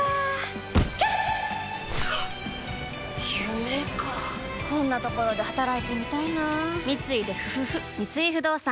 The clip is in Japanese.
夢かこんなところで働いてみたいな三井不動産